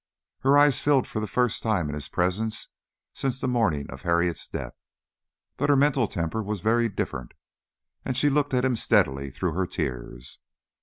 Her eyes filled for the first time in his presence since the morning of Harriet's death, but her mental temper was very different, and she looked at him steadily through her tears.